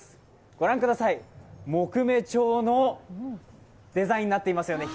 ご覧ください、木目調のデザインになっていますよね。